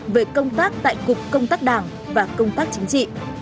về công tác tại cục công tác đảng và công tác chính trị